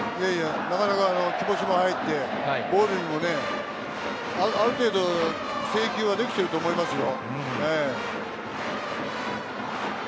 なかなか気持ちも入って、ある程度、制球はできていると思いますよ。